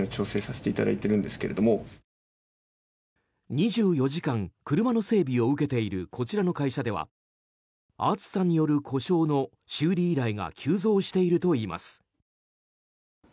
２４時間車の整備を受けているこちらの会社では暑さによる故障の修理依頼が急増しているといいます。